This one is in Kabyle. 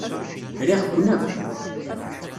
Riɣ-ken akk.